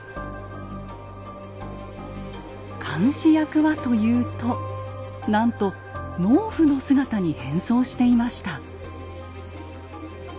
監視役はというとなんと農夫の姿に変装していました。